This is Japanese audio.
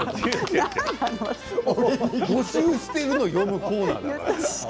募集しているものを読むコーナーだから。